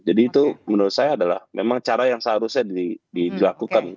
jadi itu menurut saya adalah memang cara yang seharusnya dilakukan